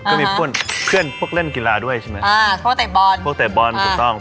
ก็มีเพื่อนพวกเล่นกีฬาด้วยใช่มั้ย